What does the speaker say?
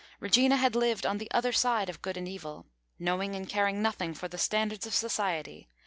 Regina had lived "on the other side of good and evil," knowing and caring nothing for the standards of society.